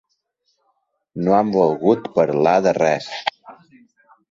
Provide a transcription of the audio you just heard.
No han volgut parlar de res.